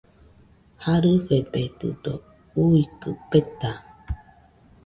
Jarɨfededɨdo uikɨ peta